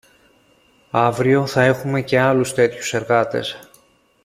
Αύριο θα έχουμε και άλλους τέτοιους εργάτες